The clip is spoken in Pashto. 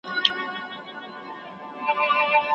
هر دولت جلا مرکزي نظام لري.